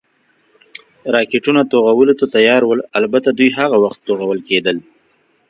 راکټونه، توغولو ته تیار ول، البته دوی هغه وخت توغول کېدل.